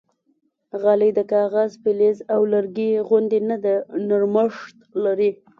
غالۍ د کاغذ، فلز او لرګي غوندې نه ده، نرمښت لري.